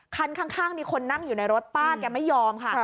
คันข้างมีคนนั่งอยู่ในรถป้าแกไม่ยอมค่ะ